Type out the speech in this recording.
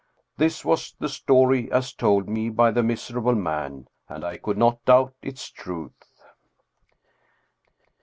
This was the story as told me by the miserable man, and I could not doubt its truth.